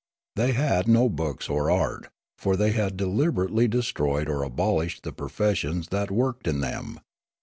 They had no books or art, for they had deliberately destroyed or abolished the professions that worked in them.